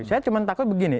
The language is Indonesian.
saya cuman takut begini